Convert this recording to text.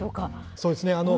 そうですね。